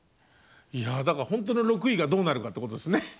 いやだからほんとの６位がどうなるかってことですね。